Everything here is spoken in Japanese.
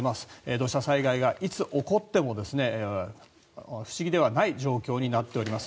土砂災害がいつ起こっても不思議ではない状況になっております。